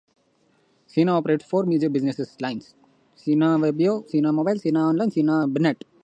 Sina operates four major business lines: Sina Weibo, Sina Mobile, Sina Online, and Sinanet.